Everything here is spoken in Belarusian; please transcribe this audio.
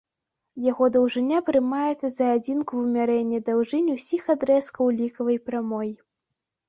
Яго даўжыня прымаецца за адзінку вымярэння даўжынь усіх адрэзкаў лікавай прамой.